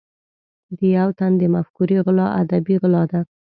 د یو تن د مفکورې غلا ادبي غلا ده.